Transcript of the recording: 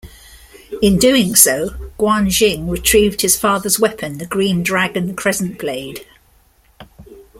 In doing so, Guan Xing retrieved his father's weapon, the Green Dragon Crescent Blade.